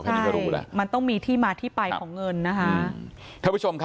แค่นี้ก็รู้แล้วมันต้องมีที่มาที่ไปของเงินนะคะอืม